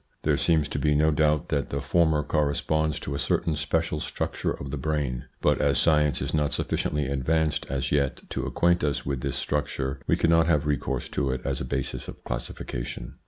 There seems to be no doubt that the former corresponds to a certain special structure of the brain, but as science is not sufficiently advanced as yet to acquaint us with this structure, we cannot have recourse to it as a basis of classification.